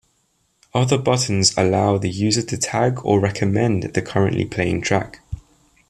Other buttons allow the user to tag or recommend the currently playing track.